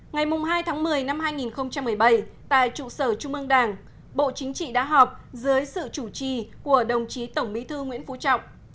ngày hai tháng một mươi năm hai nghìn một mươi bảy tại trụ sở trung ương đảng bộ chính trị đã họp dưới sự chủ trì của đồng chí tổng bí thư nguyễn phú trọng